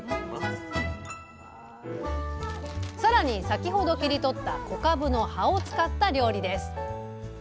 更に先ほど切り取った小かぶの葉を使った料理です。